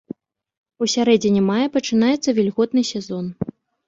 У сярэдзіне мая пачынаецца вільготны сезон.